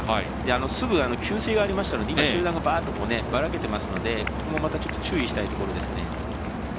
すぐ給水がありましたので集団がばらけていますのでまたちょっと注意したいですね。